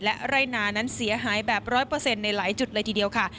รายนานั้นเสียหายแบบร้อยเปอร์เซ็นต์ในหลายจุดเลยทีเดียวค่ะ